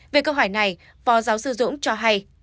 về câu hỏi này phó giáo sư dũng cho hay